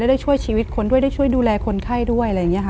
ได้ช่วยชีวิตคนด้วยได้ช่วยดูแลคนไข้ด้วยอะไรอย่างนี้ค่ะ